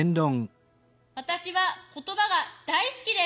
私は言葉が大好きです。